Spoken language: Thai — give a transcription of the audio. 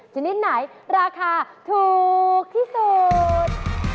ชนิดไหนราคาถูกที่สุด